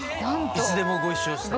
いつでもご一緒して。